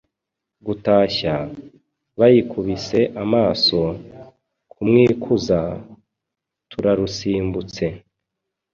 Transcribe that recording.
Gutashya, bayikubise amaso, kumwikuza, turarusimbutse.